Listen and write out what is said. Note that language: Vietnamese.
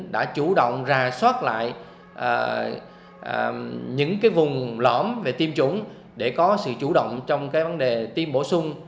đã chủ động ra soát lại những vùng lõm về tiêm chủng để có sự chủ động trong vấn đề tiêm bổ sung